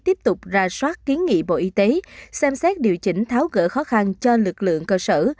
tiếp tục ra soát kiến nghị bộ y tế xem xét điều chỉnh tháo gỡ khó khăn cho lực lượng cơ sở